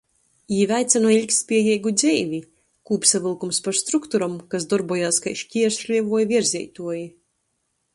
Jī veicynoj ilgtspiejeigu dzeivi. Kūpsavylkums par strukturom, kas dorbojās kai škiersli voi vierzeituoji.